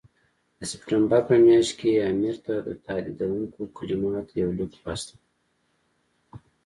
د سپټمبر په میاشت کې یې امیر ته د تهدیدوونکو کلماتو یو لیک واستاوه.